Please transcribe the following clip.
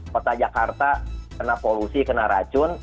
kota jakarta kena polusi kena racun